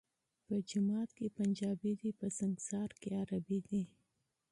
په جماعت کي پنجابی دی ، په سنګسار کي عربی دی